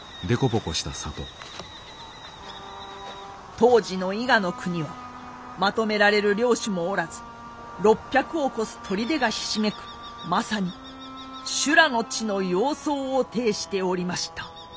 当時の伊賀国はまとめられる領主もおらず６００を超す砦がひしめくまさに修羅の地の様相を呈しておりました。